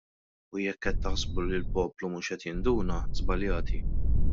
U jekk qed taħsbu li l-poplu mhux qed jinduna, żbaljati!